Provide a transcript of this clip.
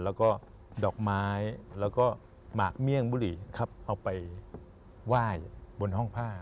แล้วก็ดอกไม้แล้วก็หมากเมี่ยงบุรีครับเอาไปไหว้บนห้องผ้า